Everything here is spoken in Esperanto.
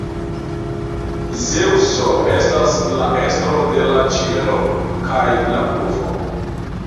Zeŭso estas la estro de la ĉielo kaj la pluvo.